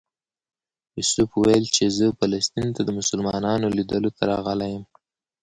یوسف ویل چې زه فلسطین ته د مسلمانانو لیدلو ته راغلی یم.